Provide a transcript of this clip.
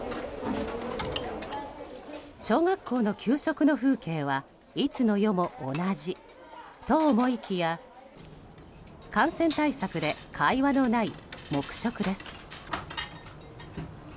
小学校の給食の風景はいつの世も同じと思いきや、感染対策で会話のない黙食です。